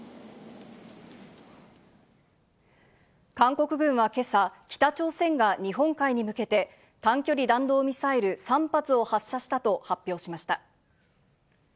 韓国軍はけさ、北朝鮮が日本海に向けて、短距離弾道ミサイル３発を発射したと発表しました。